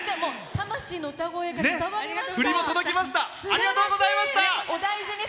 魂の歌声が伝わりました。